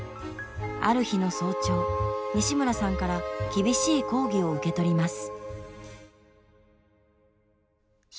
ある日の早朝西村さんから厳しい抗議を受け取ります。